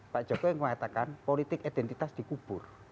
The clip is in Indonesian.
pak jokowi mengatakan politik identitas dikubur